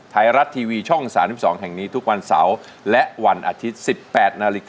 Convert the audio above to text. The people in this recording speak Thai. ไทยรัฐทีวีช่อง๓๒แห่งนี้ทุกวันเสาร์และวันอาทิตย์๑๘นาฬิกา